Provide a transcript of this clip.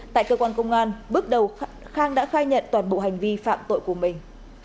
tại cơ quan công an bước đầu khang đã khai nhận toàn bộ hành vi phạm tội của mình